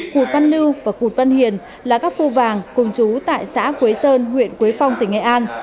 cụt văn lưu và cụt văn hiền là các phu vàng cùng chú tại xã quế sơn huyện quế phong tỉnh nghệ an